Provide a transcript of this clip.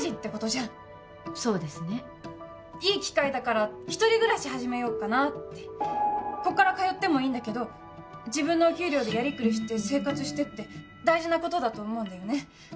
いい機会だから一人暮らし始めようかなってこっから通ってもいいんだけど自分のお給料でやりくりして生活してって大事なことだと思うんだよね